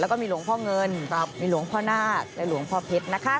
แล้วก็มีหลวงพ่อเงินมีหลวงพ่อนาคและหลวงพ่อเพชรนะคะ